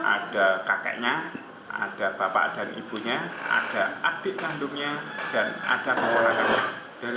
ada kakeknya ada bapak dan ibunya ada adik kandungnya dan ada pengolahannya